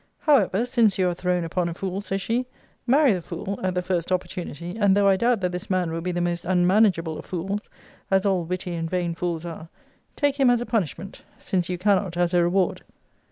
'However, since you are thrown upon a fool,' says she, 'marry the fool at the first opportunity; and though I doubt that this man will be the most unmanageable of fools, as all witty and vain fools are, take him as a punishment, since you cannot as a reward.'